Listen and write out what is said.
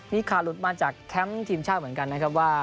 มีข่าวหลุดมาจากแคมป์ทีมชาติเหมือนกันนะครับว่า